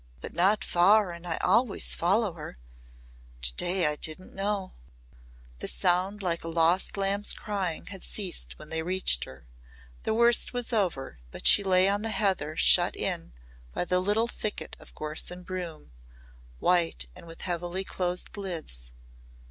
But not far and I always follow her. To day I didn't know." The sound like a lost lamb's crying had ceased when they reached her. The worst was over but she lay on the heather shut in by the little thicket of gorse and broom white and with heavily closed lids.